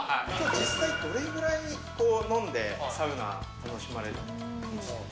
実際、どれぐらい飲んで、サウナ楽しまれました？